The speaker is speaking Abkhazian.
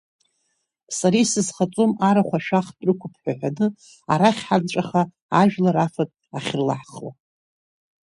Сара исызхаҵом арахә ашәахтә рықәхуп ҳәа ҳәаны, арахь, ҳанҵәаха ажәлар афатә ахьрылаҳхуа.